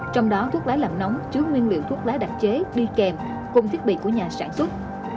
trong đó thuốc lá làm nóng chứa nguyên liệu thuốc lá đặc chế đi kèm cùng thiết bị của nhà sản xuất